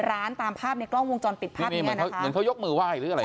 ตามภาพในกล้องวงจรปิดภาพนี้เหมือนเขาเหมือนเขายกมือไหว้หรืออะไร